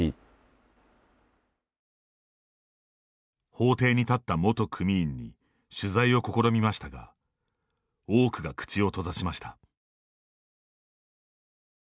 法廷に立った元組員に取材を試みましたが多くが口を閉ざしました。